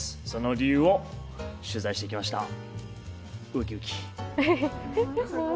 その理由を取材してきました。